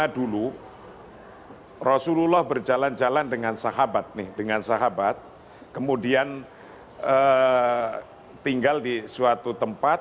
dulu rasulullah berjalan jalan dengan sahabat nih dengan sahabat kemudian tinggal di suatu tempat